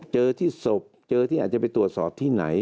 เจอที่ศพเจอที่อาจจะไปตรวจสอบที่ไหน